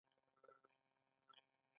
هغه توکي د کارکوونکو ځواک او انرژي ده